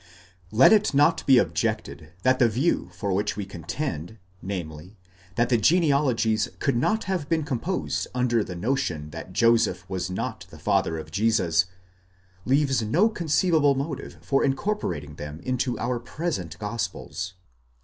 Let it not be objected that the view for which we contend, namely, that the genealogies could not have been composed under the notion that Joseph was not the father of Jesus, leaves no conceivable motive for incorporating them into our present Gospels.